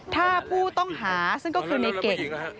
ถ้าผู้ต้องหาซึ่งก็คือในเก่ง